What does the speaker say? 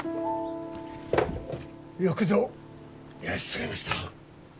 よくぞいらっしゃいました。